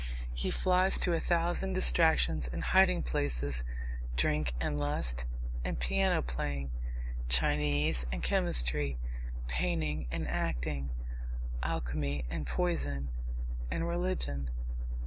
He flies to a thousand distractions and hiding places drink and lust and piano playing, Chinese and chemistry, painting and acting, alchemy and poison, and religion.